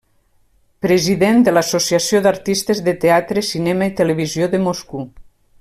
President de l'Associació d'Artistes de Teatre, Cinema i Televisió de Moscou.